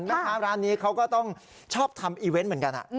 แม่ค้าร้านนี้เขาก็ต้องชอบทำอีเวนต์เหมือนกัน